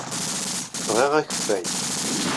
Bɣiɣ akeffay.